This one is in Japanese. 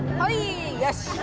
よし！